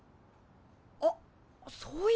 あっそういえば！